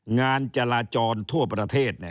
งานจราจรทั่วประเทศ